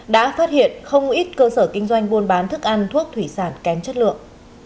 đã phát hiện không ít cơ sở kinh doanh buôn bán thức ăn thuốc thủy sản kém chất lượng